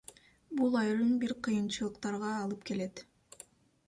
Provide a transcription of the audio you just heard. Бул айрым бир кыйынчылыктарга алып келет.